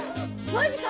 マジか！